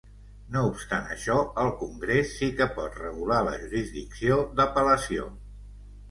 No obstant això, el Congrés sí que pot regular la jurisdicció d'apel·lació.